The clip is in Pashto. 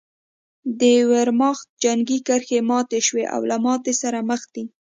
د ویرماخت جنګي کرښې ماتې شوې او له ماتې سره مخ دي